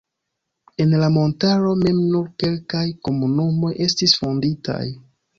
En la montaro mem nur kelkaj komunumoj estis fonditaj.